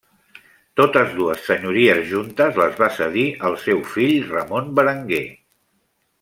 Totes dues senyories juntes, les va cedir al seu fill Ramon Berenguer.